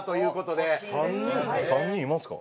３人いますか？